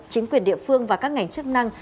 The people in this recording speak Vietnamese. chính quyền địa phương và các ngành chức năng